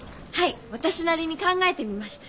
私なりに考えてみました。